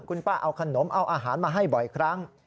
คุณป้าเอาขนมเอาอาหารมาให้บ่อยครั้ง